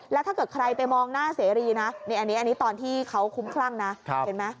แล้วถ้าเกิดใครไปมองหน้าเสรีนะนี่อันนี้ตอนที่เขาคุ้มคลั่งนะเห็นไหม